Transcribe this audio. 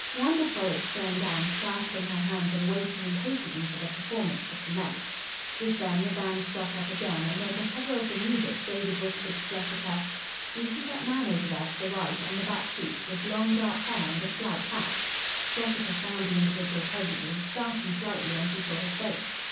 "Wonderful!" exclaimed Anne, clasping her hands and waiting impatiently for the performance to commence. Just then the band struck up again, and under cover of the music David whispered to Jessica: "Do you see that man over there to the right on the back seat, with long, dark hair and a slouch hat?" Jessica found the individual presently, starting slightly when she saw his face.